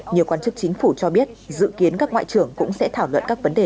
nhiều quan chức chính phủ cho biết dự kiến các ngoại trưởng cũng sẽ thảo luận các vấn đề